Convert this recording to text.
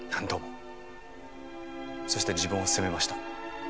そして自分を責めました。